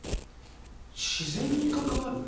自然に関わる？